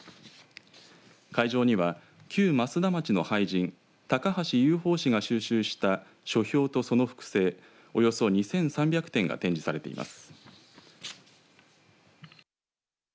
会場には、旧増田町の俳人高橋友鳳子が収集した書票とその複製およそ２３００点が展示されています。